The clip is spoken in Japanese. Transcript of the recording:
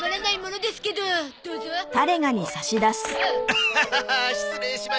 アハハハ失礼しました。